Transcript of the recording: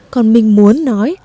còn mình muốn nói